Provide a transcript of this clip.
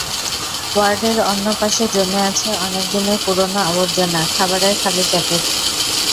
ওয়ার্ডের অন্য পাশে জমে আছে অনেক দিনের পুরোনো আবর্জনা, খাবারের খালি প্যাকেট।